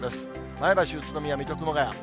前橋、宇都宮、水戸、熊谷。